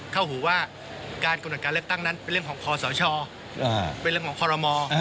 เข้าหูว่าการกำหนดการเลือกตั้งนั้นเป็นเรื่องของคอสชเป็นเรื่องของคอรมอ